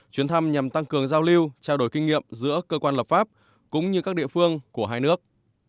chuyến thăm nhằm tăng cường giao lưu trao đổi kinh nghiệm giữa cơ quan lập pháp cũng như các địa phương của hai nước